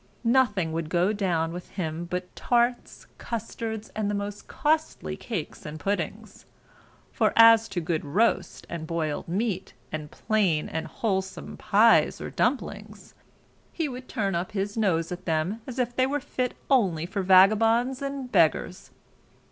Nothing would go down with him but tarts, custards, and the most costly cakes and puddings; for as to good roast and boiled meat and plain and wholesome pies or dumplings, he would turn up his nose at them as if they were fit only for vagabonds and beggars.